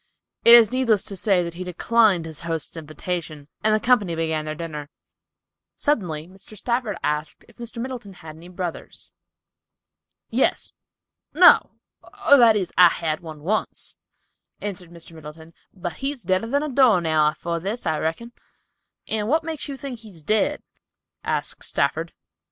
It is needless to say that he declined his host's invitation, and the company began their dinner. Suddenly Mr. Stafford asked if Mr. Middleton had any brothers. "Yes—no, or, that is, I had one once," answered Mr. Middleton, "but he's deader than a door nail afore this, I reckon." "And what makes you think he is dead?" asked Stafford.